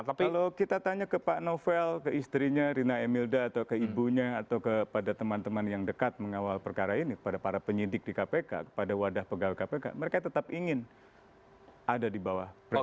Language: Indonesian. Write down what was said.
kalau kita tanya ke pak novel ke istrinya rina emilda atau ke ibunya atau kepada teman teman yang dekat mengawal perkara ini kepada para penyidik di kpk kepada wadah pegawai kpk mereka tetap ingin ada di bawah presiden